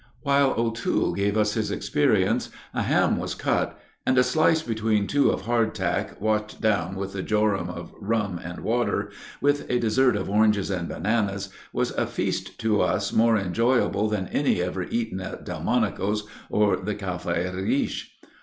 While O'Toole gave us his experience, a ham was cut, and a slice between two of hardtack, washed down with a jorum of rum and water, with a dessert of oranges and bananas, was a feast to us more enjoyable than any ever eaten at Delmonico's or the Café Riche.